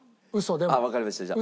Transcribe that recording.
あっわかりましたじゃあ。